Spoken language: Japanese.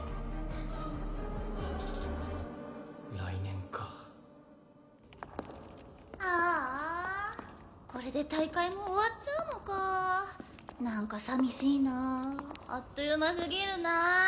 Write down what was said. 来年かあーあこれで大会も終わっちゃうのか何か寂しいなああっという間すぎるなあ